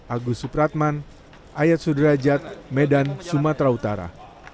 agus supratman ayat sudrajat medan sumatera utara